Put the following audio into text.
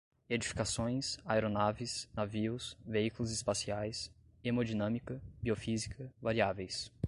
edificações, aeronaves, navios, veículos espaciais, hemodinâmica, biofísica, variáveis